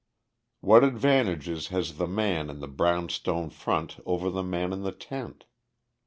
"What advantages has the man in the brown stone front over the man in the tent?